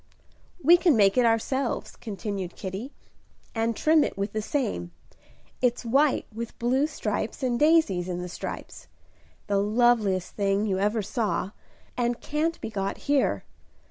"We can make it ourselves," continued Kitty, "and trim it with the same. It's white with blue stripes and daisies in the stripes; the loveliest thing you ever saw, and can't be got here.